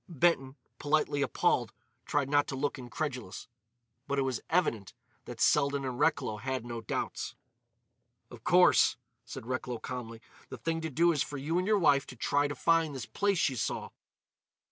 Benton, politely appalled, tried not to look incredulous. But it was evident that Selden and Recklow had no doubts. "Of course," said Recklow calmly, "the thing to do is for you and your wife to try to find this place she saw."